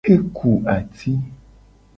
E ku ati.